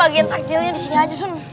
agen takjilnya di sini aja sun